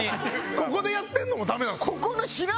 ここでやってるのもダメなんですか？